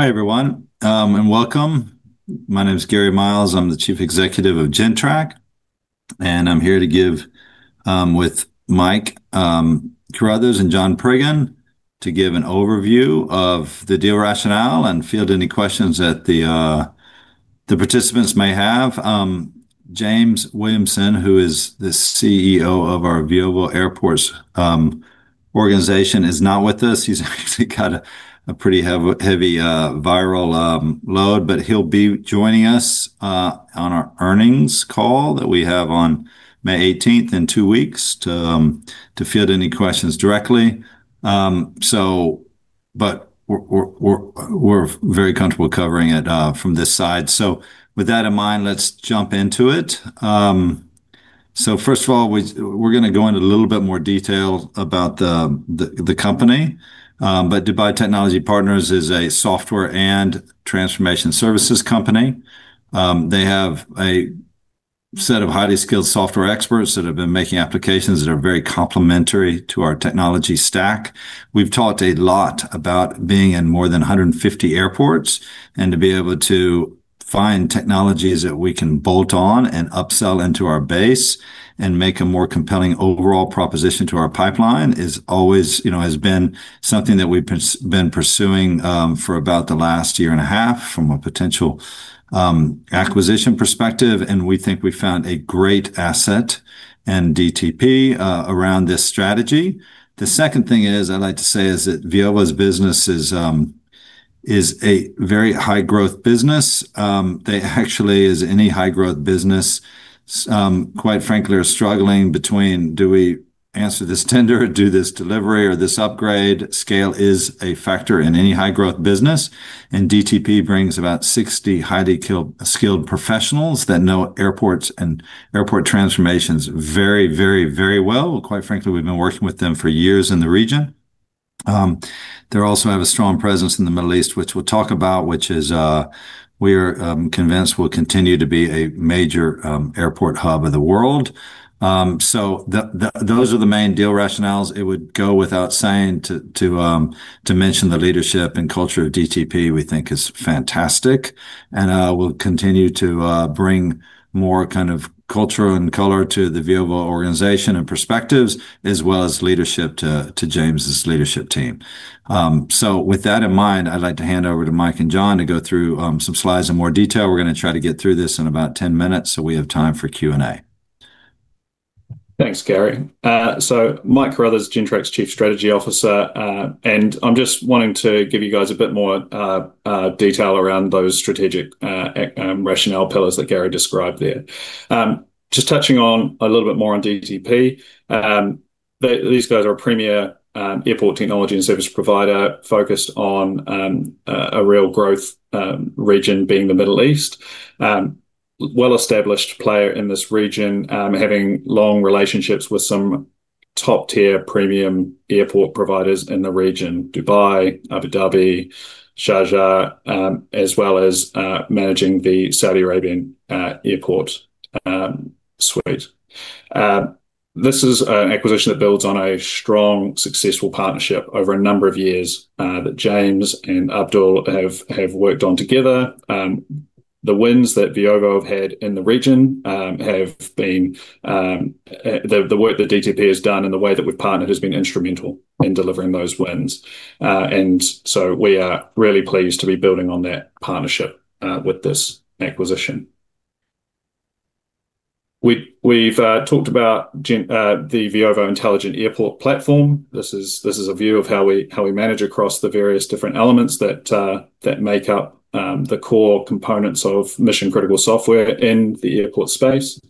Hi, everyone, and welcome. My name is Gary Miles. I'm the Chief Executive of Gentrack, and I'm here to give, with Mike Carruthers and John Priggen, to give an overview of the deal rationale and field any questions that the participants may have. James Williamson, who is the CEO of our Veovo organization, is not with us. He's actually got a pretty heavy viral load, but he'll be joining us on our earnings call that we have on May 18th in two weeks to field any questions directly. We're very comfortable covering it from this side. With that in mind, let's jump into it. First of all, we're gonna go into a little bit more detail about the company. Dubai Technology Partners is a software and transformation services company. They have a set of highly skilled software experts that have been making applications that are very complementary to our technology stack. We've talked a lot about being in more than 150 airports and to be able to find technologies that we can bolt on and upsell into our base and make a more compelling overall proposition to our pipeline is always, you know, has been something that we've been pursuing for about the last year and a half from a potential acquisition perspective, and we think we found a great asset in DTP around this strategy. The second thing is, I'd like to say is that Veovo's business is a very high-growth business. They actually, as any high-growth business, quite frankly, are struggling between do we answer this tender or do this delivery or this upgrade. Scale is a factor in any high-growth business. DTP brings about 60 highly skilled professionals that know airports and airport transformations very, very well. Quite frankly, we've been working with them for years in the region. They also have a strong presence in the Middle East, which we'll talk about, which is, we're convinced will continue to be a major airport hub of the world. Those are the main deal rationales. It would go without saying to mention the leadership and culture of DTP, we think is fantastic and will continue to bring more kind of culture and color to the Veovo organization and perspectives, as well as leadership to James' leadership team. With that in mind, I'd like to hand over to Mike and John to go through some slides in more detail. We're gonna try to get through this in about 10 minutes, we have time for Q&A. Thanks, Gary. Mike Carruthers, Gentrack's Chief Strategy Officer. I'm just wanting to give you guys a bit more detail around those strategic rationale pillars that Gary described there. Just touching on a little bit more on DTP. These guys are a premier airport technology and services provider focused on a real growth region being the Middle East. Well-established player in this region, having long relationships with some top-tier premium airport providers in the region, Dubai, Abu Dhabi, Sharjah, as well as managing the Saudi Arabian airport suite. This is an acquisition that builds on a strong, successful partnership over a number of years that James and Abdul have worked on together. The wins that Veovo have had in the region have been the work that DTP has done and the way that we've partnered has been instrumental in delivering those wins. We are really pleased to be building on that partnership with this acquisition. We, we've talked about the Veovo Intelligent Airport Platform. This is a view of how we manage across the various different elements that make up the core components of mission-critical software in the airport space.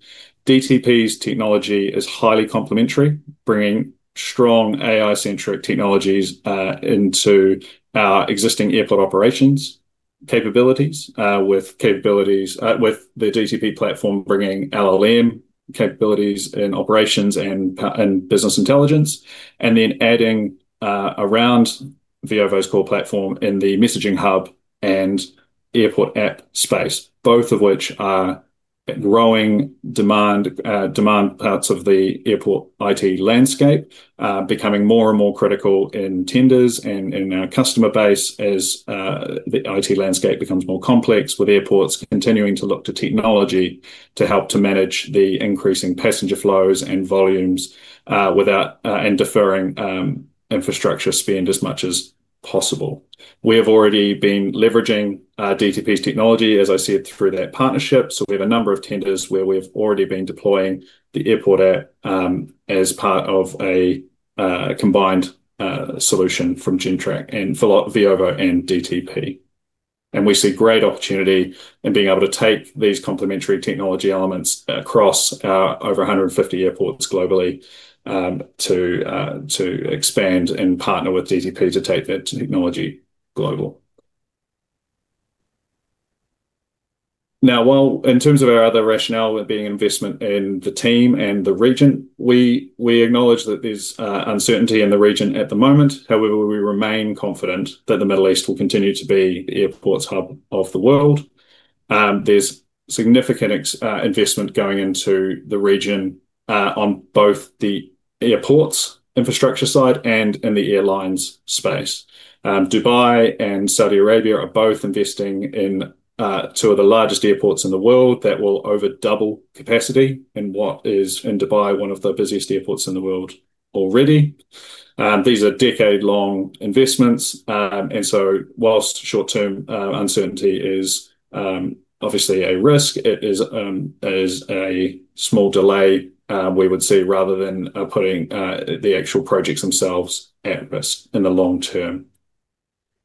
DTP's technology is highly complementary, bringing strong AI-centric technologies into our existing airport operations capabilities, with capabilities with the DTP platform bringing LLM capabilities in operations and business intelligence, and then adding around Veovo's core platform in the messaging hub and airport app space, both of which are growing demand parts of the airport IT landscape, becoming more and more critical in tenders and in our customer base as the IT landscape becomes more complex, with airports continuing to look to technology to help to manage the increasing passenger flows and volumes, without and deferring infrastructure spend as much as possible. We have already been leveraging DTP's technology, as I said, through that partnership. We have a number of tenders where we've already been deploying the AirportView App as part of a combined solution from Gentrack and Veovo and DTP. We see great opportunity in being able to take these complementary technology elements across our over 150 airports globally to expand and partner with DTP to take that technology global. While in terms of our other rationale with being investment in the team and the region, we acknowledge that there's uncertainty in the region at the moment. However, we remain confident that the Middle East will continue to be the airports hub of the world. There's significant investment going into the region on both the airports infrastructure side and in the airlines space. Dubai and Saudi Arabia are both investing in two of the largest airports in the world that will over double capacity in what is, in Dubai, one of the busiest airports in the world already. These are decade-long investments. Whilst short-term uncertainty is obviously a risk, it is a small delay we would see rather than putting the actual projects themselves at risk in the long term.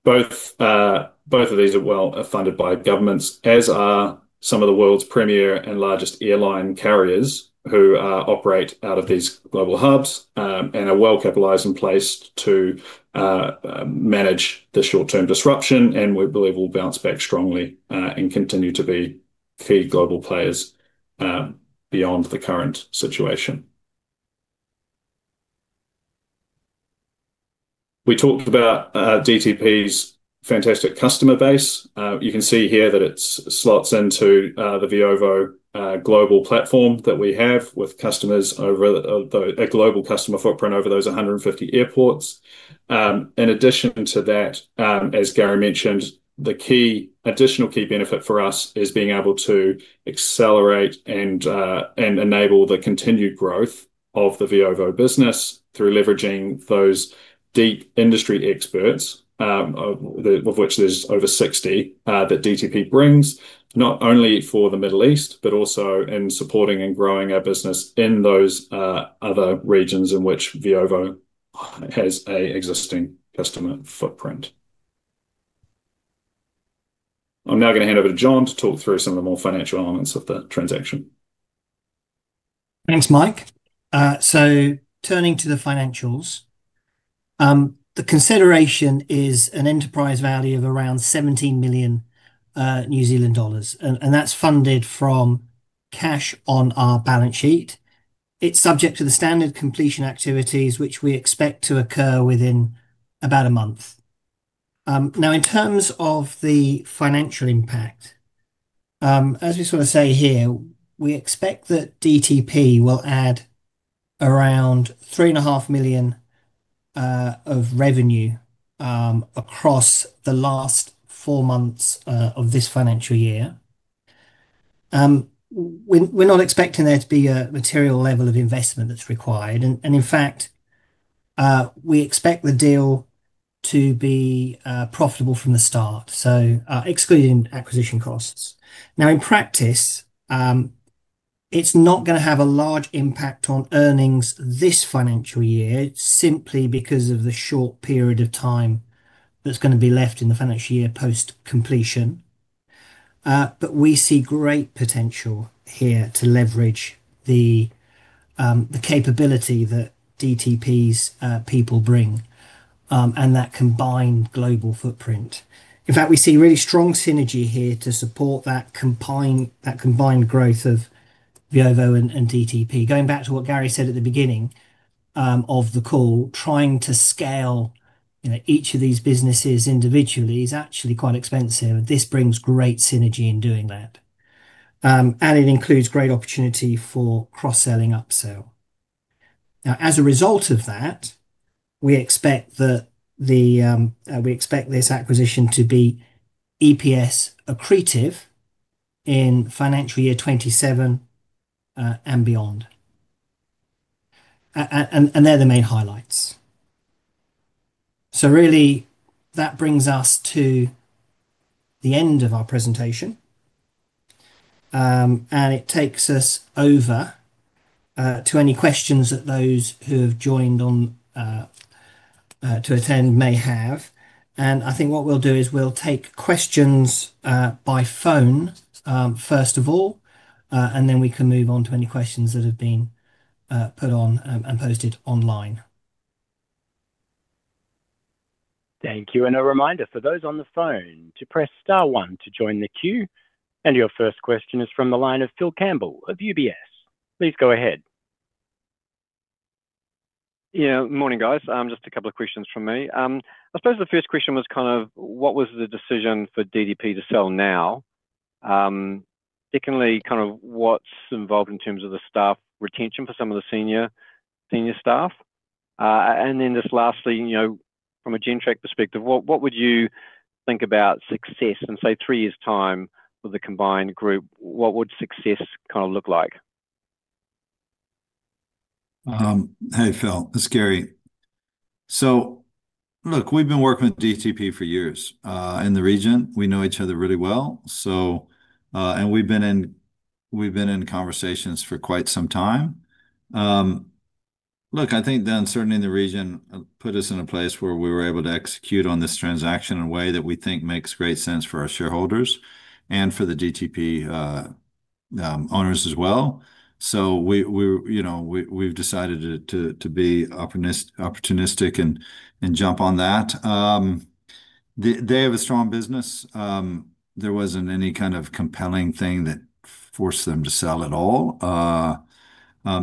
Both of these are well funded by governments, as are some of the world's premier and largest airline carriers who operate out of these global hubs and are well capitalized and placed to manage the short-term disruption, and we believe will bounce back strongly and continue to be key global players beyond the current situation. We talked about DTP's fantastic customer base. You can see here that it's slots into the Veovo global platform that we have with customers over the global customer footprint over those 150 airports. In addition to that, as Gary mentioned, the key, additional key benefit for us is being able to accelerate and enable the continued growth of the Veovo business through leveraging those deep industry experts, of which there's over 60 that DTP brings, not only for the Middle East but also in supporting and growing our business in those other regions in which Veovo has a existing customer footprint. I'm now gonna hand over to John to talk through some of the more financial elements of the transaction. Thanks, Mike. Turning to the financials. The consideration is an enterprise value of around 17 million New Zealand dollars. That's funded from cash on our balance sheet. It's subject to the standard completion activities which we expect to occur within about a month. In terms of the financial impact, as we sort of say here, we expect that DTP will add around 3.5 million of revenue across the last four months of this financial year. We're not expecting there to be a material level of investment that's required. In fact, we expect the deal to be profitable from the start, so excluding acquisition costs. In practice, it's not going to have a large impact on earnings this financial year, simply because of the short period of time that's going to be left in the financial year post-completion. But we see great potential here to leverage the capability that DTP's people bring, and that combined global footprint. In fact, we see really strong synergy here to support that combined growth of Veovo and DTP. Going back to what Gary said at the beginning of the call, trying to scale, you know, each of these businesses individually is actually quite expensive. This brings great synergy in doing that. And it includes great opportunity for cross-selling upsell. As a result of that, we expect this acquisition to be EPS accretive in financial year 2027 and beyond. And they're the main highlights. Really that brings us to the end of our presentation. And it takes us over to any questions that those who have joined on to attend may have. I think what we'll do is we'll take questions by phone first of all, and then we can move on to any questions that have been put on and posted online. Thank you. A reminder for those on the phone to press star one to join the queue. Your first question is from the line of Phil Campbell of UBS. Please go ahead. Yeah. Morning, guys. Just a couple of questions from me. I suppose the first question was kind of what was the decision for DTP to sell now? Secondly, kind of what's involved in terms of the staff retention for some of the senior staff? Then just lastly, you know, from a Gentrack perspective, what would you think about success in, say, three years' time with the combined group? What would success kind of look like? Hey, Phil. It's Gary. Look, we've been working with DTP for years in the region. We know each other really well. And we've been in conversations for quite some time. Look, I think the uncertainty in the region put us in a place where we were able to execute on this transaction in a way that we think makes great sense for our shareholders and for the DTP owners as well. We, you know, we've decided to be opportunistic and jump on that. They have a strong business. There wasn't any kind of compelling thing that forced them to sell at all.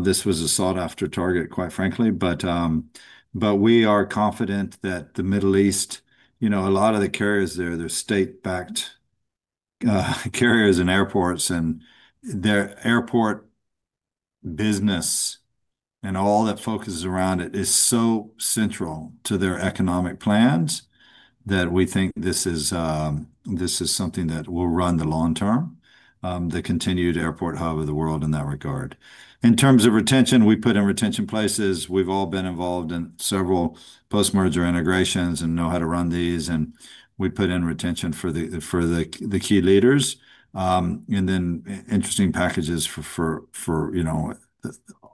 This was a sought after target, quite frankly. We are confident that the Middle East, you know, a lot of the carriers there, they're state-backed carriers and airports and their airport business, and all that focuses around it is so central to their economic plans that we think this is something that will run the long term, the continued airport hub of the world in that regard. In terms of retention, we put in retention places. We've all been involved in several post-merger integrations and know how to run these, and we put in retention for the key leaders. And then interesting packages for, you know,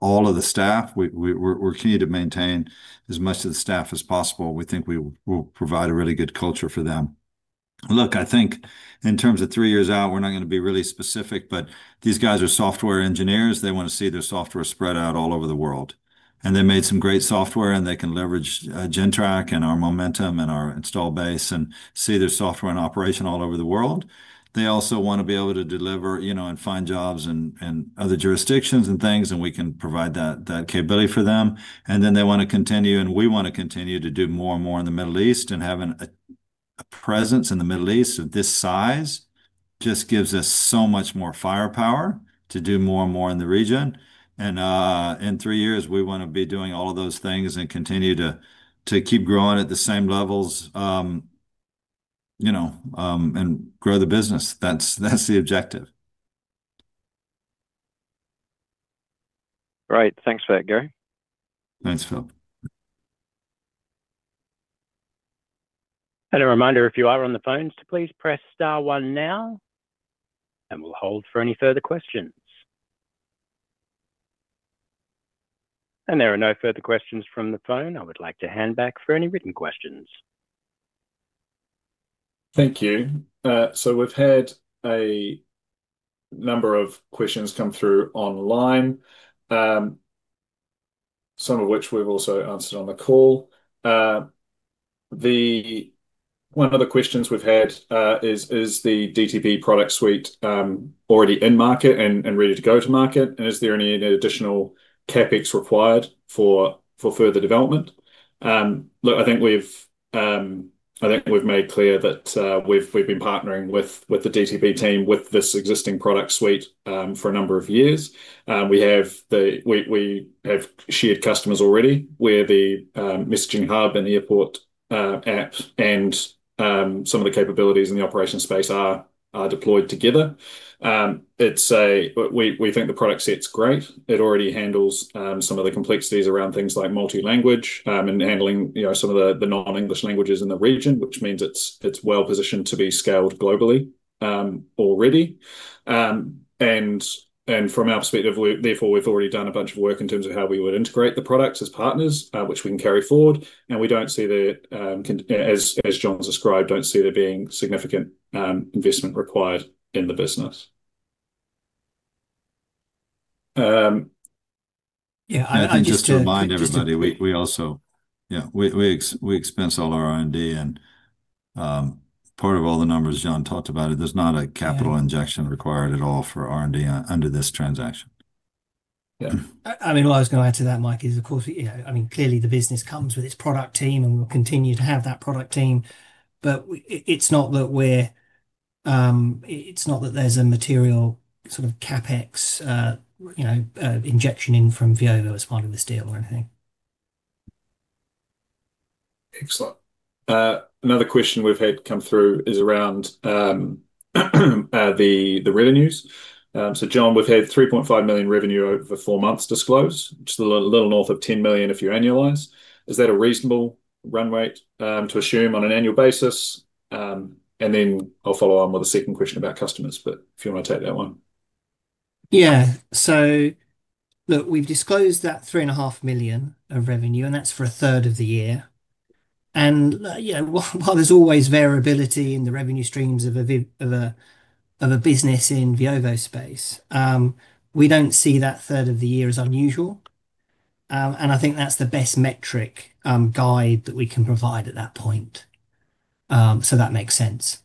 all of the staff. We're keen to maintain as much of the staff as possible. We think we will provide a really good culture for them. Look, I think in terms of three years out, we're not going to be really specific, but these guys are software engineers. They want to see their software spread out all over the world, and they made some great software, and they can leverage Gentrack and our momentum and our install base and see their software in operation all over the world. They also want to be able to deliver, you know, and find jobs in other jurisdictions and things, and we can provide that capability for them. Then they want to continue, and we want to continue to do more and more in the Middle East, and having a presence in the Middle East of this size just gives us so much more firepower to do more and more in the region. In three years, we wanna be doing all of those things and continue to keep growing at the same levels, you know, and grow the business. That's the objective. Great. Thanks for that, Gary. Thanks, Phil. A reminder, if you are on the phones to please press star one now, and we'll hold for any further questions. There are no further questions from the phone. I would like to hand back for any written questions. Thank you. We've had a number of questions come through online, some of which we've also answered on the call. One of the questions we've had is the DTP product suite already in market and ready to go to market? Is there any additional CapEx required for further development? I think we've made clear that we've been partnering with the DTP team with this existing product suite for a number of years. We have shared customers already, where the tNexus Message Hub and the AirportView App and some of the capabilities in the operation space are deployed together. We think the product set's great. It already handles some of the complexities around things like multi-language and handling, you know, some of the non-English languages in the region, which means it's well-positioned to be scaled globally already. And from our perspective, we've, therefore, we've already done a bunch of work in terms of how we would integrate the products as partners, which we can carry forward, and we don't see there as John's described, don't see there being significant investment required in the business. Yeah, Just to remind everybody, we also. Yeah, we expense all our R&D, and part of all the numbers John talked about, there's not a capital. Yeah injection required at all for R&D under this transaction. Yeah. I mean, what I was gonna add to that, Mike, is of course, you know, I mean, clearly the business comes with its product team, and we'll continue to have that product team, but it's not that we're, it's not that there's a material sort of CapEx, you know, injection in from Veovo as part of this deal or anything. Excellent. Another question we've had come through is around the revenues. John, we've had 3.5 million revenue over four months disclosed, just a little north of 10 million if you annualize. Is that a reasonable run rate to assume on an annual basis? Then I'll follow on with a second question about customers, but if you wanna take that one. Yeah. Look, we've disclosed that three and a half million of revenue, that's for a third of the year. You know, while there's always variability in the revenue streams of a business in Veovo's space, we don't see that third of the year as unusual. I think that's the best metric guide that we can provide at that point. That makes sense.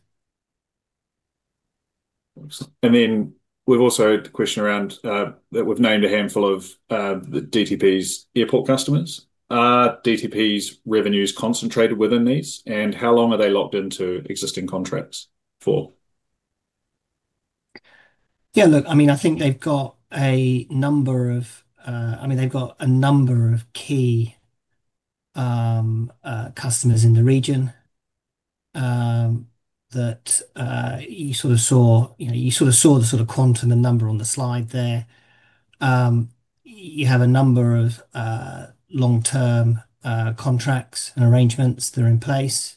Excellent. We've also had a question around that we've named a handful of DTP's airport customers. Are DTP's revenues concentrated within these, and how long are they locked into existing contracts for? I mean, I think they've got a number of key customers in the region that you sort of saw, you know, the sort of quantum, the number on the slide there. You have a number of long-term contracts and arrangements that are in place.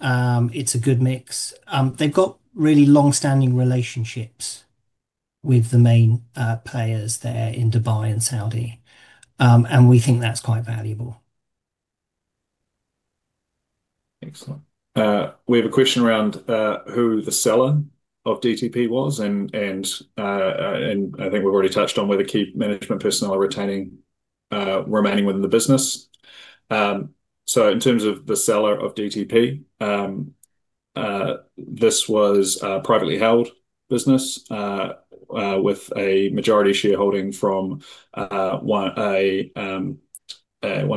It's a good mix. They've got really long-standing relationships with the main players there in Dubai and Saudi. We think that's quite valuable. Excellent. We have a question around who the seller of DTP was, and I think we've already touched on whether key management personnel are retaining, remaining within the business. In terms of the seller of DTP, this was a privately held business with a majority shareholding from one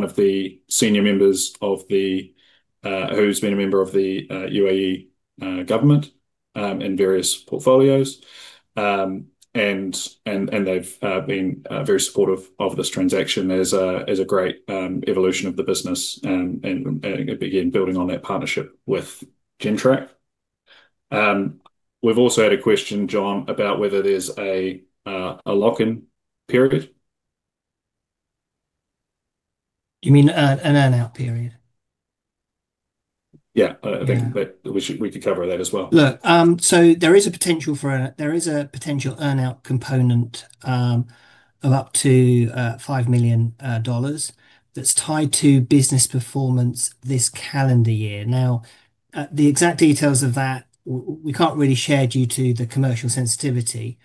of the senior members of the UAE government in various portfolios. They've been very supportive of this transaction as a great evolution of the business. Again, building on that partnership with Gentrack. We've also had a question, John, about whether there's a lock-in period. You mean an earn-out period? Yeah. I think. Yeah that we should, we could cover that as well. Look, there is a potential earn-out component of up to 5 million dollars that's tied to business performance this calendar year. The exact details of that we can't really share due to the commercial sensitivity.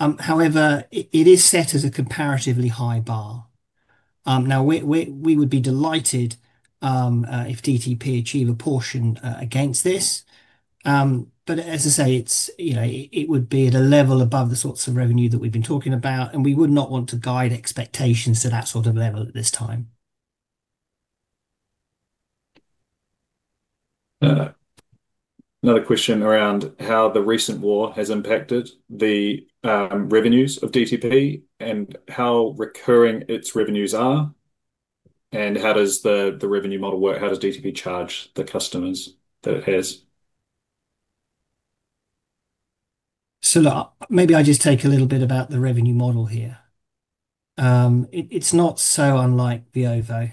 It is set as a comparatively high bar. We would be delighted if DTP achieve a portion against this. As I say, it's, you know, it would be at a level above the sorts of revenue that we've been talking about, and we would not want to guide expectations to that sort of level at this time. Another question around how the recent war has impacted the revenues of DTP, and how recurring its revenues are, and how does the revenue model work? How does DTP charge the customers that it has? Maybe I just take a little bit about the revenue model here. It's not so unlike Veovo.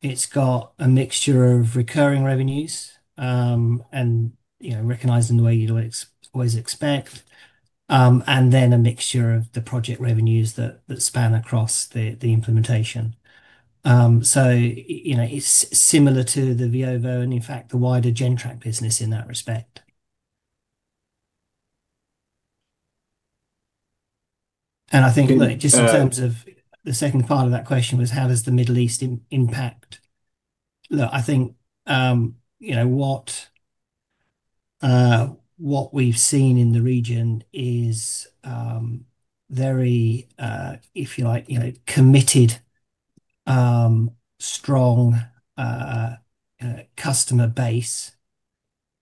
It's got a mixture of recurring revenues, and, you know, recognized in the way you'd always expect, and then a mixture of the project revenues that span across the implementation. You know, it's similar to the Veovo, and in fact, the wider Gentrack business in that respect. Look. Just in terms of the second part of that question was how does the Middle East impact? Look, I think, you know, what we've seen in the region is very, if you like, you know, committed, strong, customer base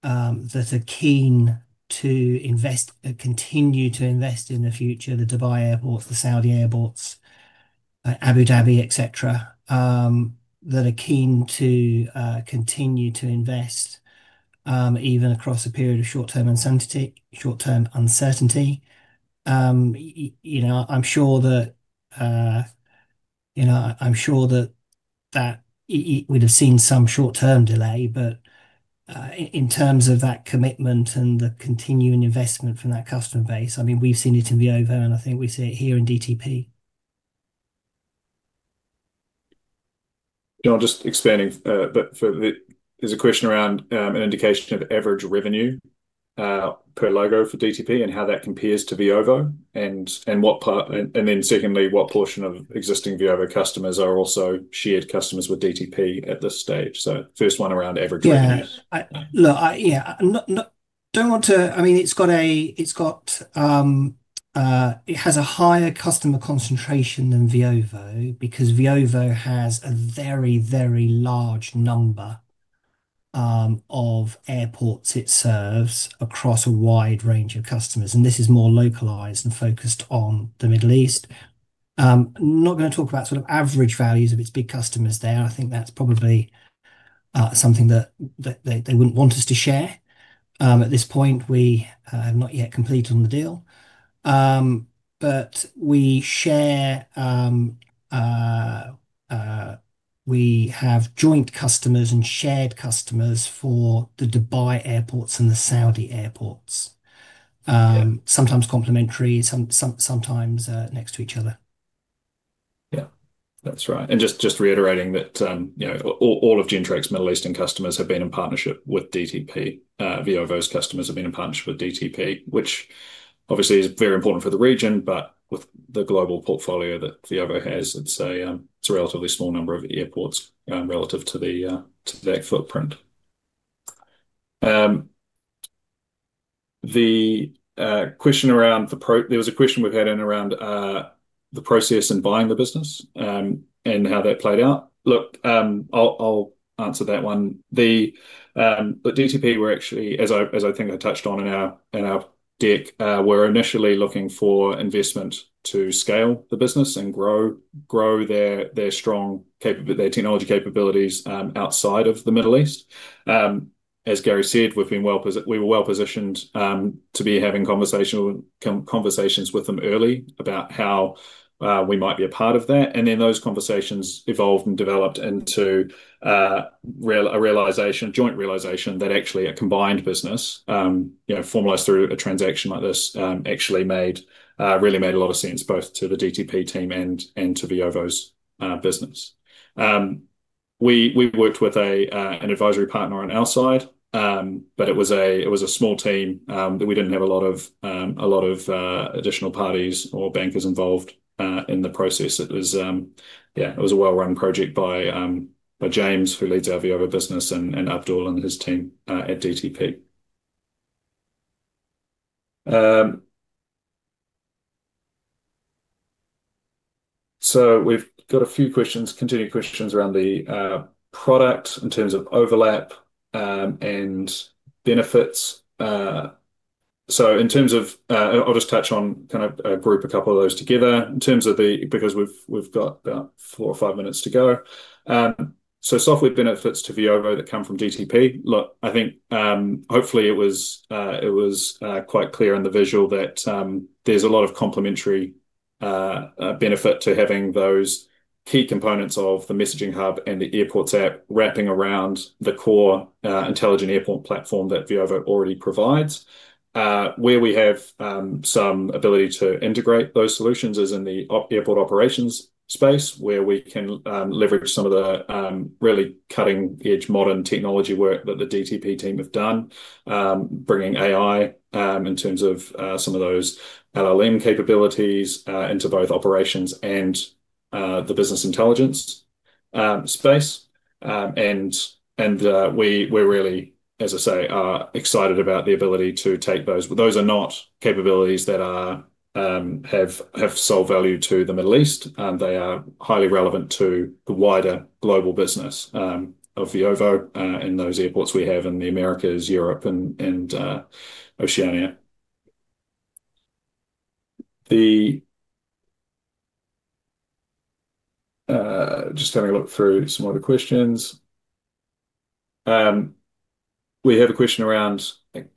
that are keen to invest, continue to invest in the future. The Dubai airports, the Saudi airports, Abu Dhabi, et cetera, that are keen to continue to invest, even across a period of short-term uncertainty. You know, I'm sure that, you know, I'm sure that that it would have seen some short-term delay, but in terms of that commitment and the continuing investment from that customer base, I mean, we've seen it in Veovo, and I think we see it here in DTP. John, just expanding. There's a question around an indication of average revenue per logo for DTP and how that compares to Veovo. Then secondly, what portion of existing Veovo customers are also shared customers with DTP at this stage? First one around average revenue. It has a higher customer concentration than Veovo because Veovo has a very, very large number of airports it serves across a wide range of customers, and this is more localized and focused on the Middle East. I'm not gonna talk about sort of average values of its big customers there. I think that's probably something that they wouldn't want us to share. At this point, we have not yet completed on the deal. We share, we have joint customers and shared customers for the Dubai airports and the Saudi airports. Yeah sometimes complimentary, sometimes next to each other. Yeah. That's right. Just reiterating that, you know, all of Gentrack's Middle Eastern customers have been in partnership with DTP. Veovo's customers have been in partnership with DTP, which obviously is very important for the region, but with the global portfolio that Veovo has, it's a relatively small number of airports relative to that footprint. There was a question we've had in around the process in buying the business and how that played out. Look, I'll answer that one. At DTP we're actually, as I think I touched on in our deck, we're initially looking for investment to scale the business and grow their strong technology capabilities outside of the Middle East. As Gary said, we were well positioned to be having conversational conversations with them early about how we might be a part of that. Then those conversations evolved and developed into a realization, joint realization that actually a combined business, you know, formalized through a transaction like this, really made a lot of sense both to the DTP team and to Veovo's business. We worked with an advisory partner on our side, but it was a small team that we didn't have a lot of additional parties or bankers involved in the process. It was a well-run project by James, who leads our Veovo business and Abdul and his team at DTP. We've got a few questions, continuing questions around the product in terms of overlap and benefits. I'll just touch on group a couple of those together. Because we've got about four or five minutes to go. Software benefits to Veovo that come from DTP. Look, I think hopefully it was quite clear in the visual that there's a lot of complementary benefit to having those key components of the messaging hub and the airports app wrapping around the core intelligent airport platform that Veovo already provides. Where we have some ability to integrate those solutions is in the airport operations space, where we can leverage some of the really cutting-edge modern technology work that the DTP team have done. Bringing AI in terms of some of those LLM capabilities into both operations and the business intelligence space. We're really, as I say, excited about the ability to take those. Those are not capabilities that have sole value to the Middle East, and they are highly relevant to the wider global business of Veovo in those airports we have in the Americas, Europe and Oceania. Just having a look through some other questions. We have a question around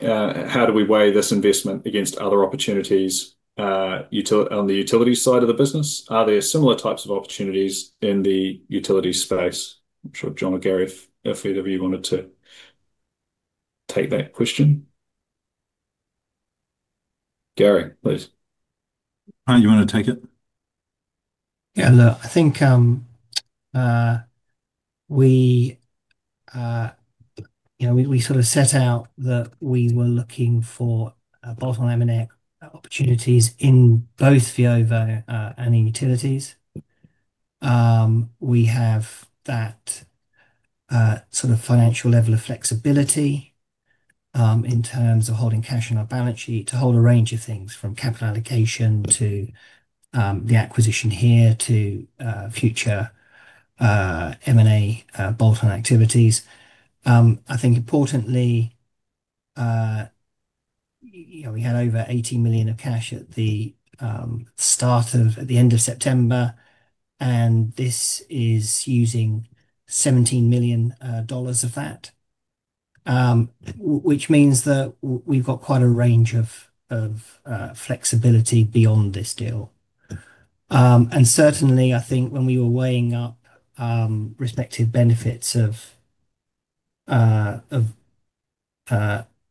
how do we weigh this investment against other opportunities on the utility side of the business? Are there similar types of opportunities in the utility space? I'm sure John or Gary, if either of you wanted to take that question. Gary, please. John Priggen, you wanna take it? Yeah, look, I think, you know, we sort of set out that we were looking for bolt-on M&A opportunities in both Veovo and in utilities. We have that sort of financial level of flexibility in terms of holding cash on our balance sheet to hold a range of things, from capital allocation to the acquisition here to future M&A bolt-on activities. I think importantly, you know, we had over 80 million of cash at the end of September, and this is using 17 million dollars of that. Which means that we've got quite a range of flexibility beyond this deal. And certainly I think when we were weighing up respective benefits of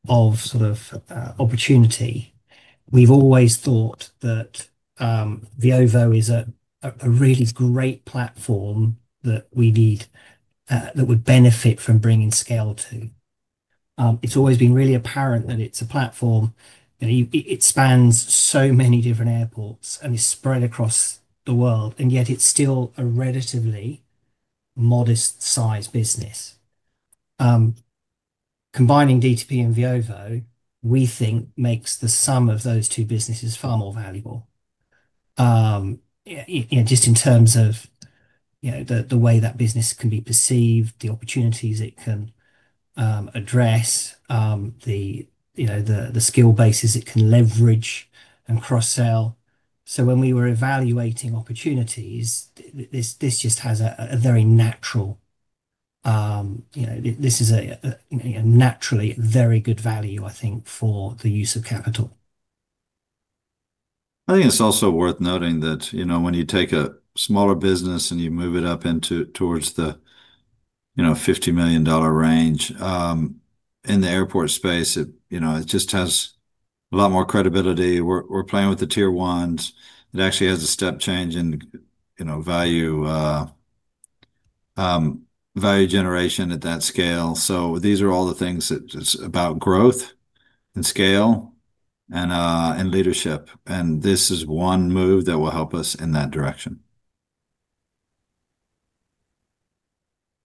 opportunity, we've always thought that Veovo is a really great platform that we need that would benefit from bringing scale to. It's always been really apparent that it's a platform that it spans so many different airports and is spread across the world, and yet it's still a relatively modest-sized business. Combining DTP and Veovo, we think makes the sum of those two businesses far more valuable. You know, just in terms of, you know, the way that business can be perceived, the opportunities it can address, the, you know, the skill bases it can leverage and cross-sell. When we were evaluating opportunities, this just has a very natural, you know. This is a, you know, naturally very good value, I think, for the use of capital. I think it's also worth noting that, you know, when you take a smaller business and you move it up into towards the, you know, 50 million dollar range, in the airport space, it, you know, it just has a lot more credibility. We're playing with the tier ones. It actually has a step change in, you know, value generation at that scale. These are all the things that it's about growth and scale and leadership, and this is one move that will help us in that direction.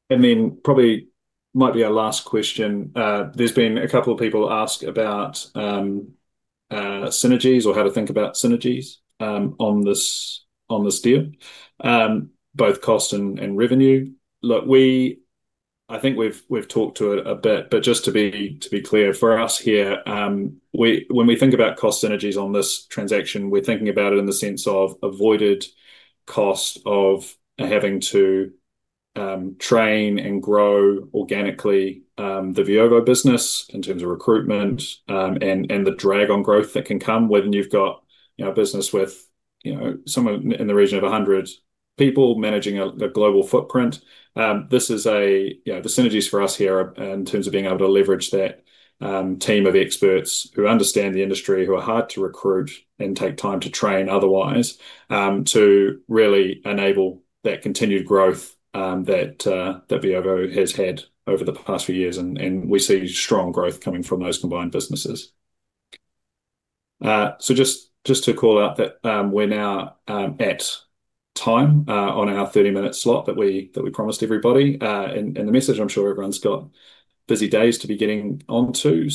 Probably might be our last question. There's been a couple of people ask about synergies or how to think about synergies on this, on this deal. Both cost and revenue. Look, I think we've talked to it a bit, but just to be, to be clear, for us here, when we think about cost synergies on this transaction, we're thinking about it in the sense of avoided cost of having to train and grow organically the Veovo business in terms of recruitment, and the drag on growth that can come when you've got, you know, a business with, you know, someone in the region of 100 people managing a global footprint. This is a, you know, the synergies for us here are in terms of being able to leverage that team of experts who understand the industry, who are hard to recruit and take time to train otherwise, to really enable that continued growth that Veovo has had over the past few years. We see strong growth coming from those combined businesses. Just to call out that we're now at time on our 30 minute slot that we promised everybody. The message I'm sure everyone's got busy days to be getting on to,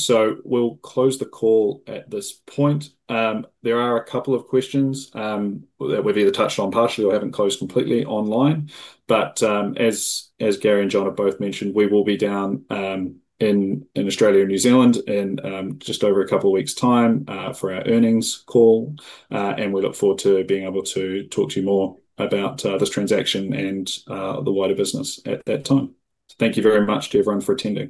we'll close the call at this point. There are a couple of questions that we've either touched on partially or haven't closed completely online. As Gary and John have both mentioned, we will be down in Australia and New Zealand in just over a couple of weeks' time for our earnings call. We look forward to being able to talk to you more about this transaction and the wider business at that time. Thank you very much to everyone for attending.